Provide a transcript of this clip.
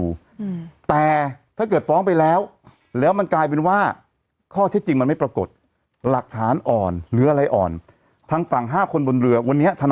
แล้วถ้าเกิดใส่หน้ากากอนามัยจะเลือกจากไหน